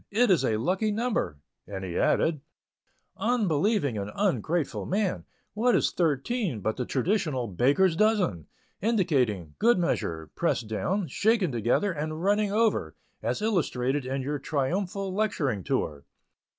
It is a lucky number," and he added: "Unbelieving and ungrateful man! What is thirteen but the traditional 'baker's dozen,' indicating 'good measure, pressed down, shaken together, and running over,' as illustrated in your triumphal lecturing tour?